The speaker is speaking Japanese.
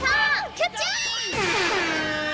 キャッチ！